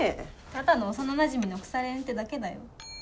ただの幼なじみの腐れ縁ってだけだよ。